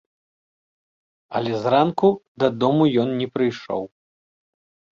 Але зранку дадому ён не прыйшоў.